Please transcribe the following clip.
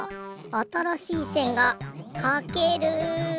あたらしいせんがかける。